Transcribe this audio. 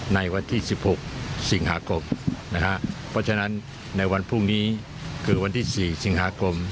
ในวันที่๑๖สิงหาคมนะฮะเพราะฉะนั้นในวันพรุ่งนี้คือวันที่๔สิงหาคม